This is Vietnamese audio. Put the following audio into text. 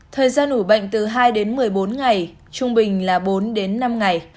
thời gian ủ bệnh từ hai đến một mươi bốn ngày trung bình là bốn đến năm ngày